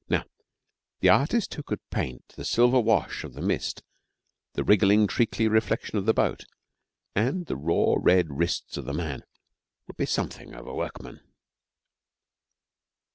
Now the artist who could paint the silver wash of the mist, the wriggling treacly reflection of the boat, and the raw red wrists of the man would be something of a workman.